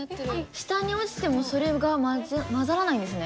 下に落ちてもそれが混ざらないんですね。